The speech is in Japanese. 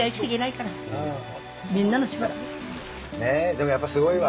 でもやっぱりすごいわ。